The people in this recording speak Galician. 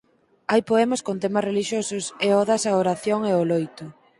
Hai poemas con temas relixiosos e odas á oración e o loito.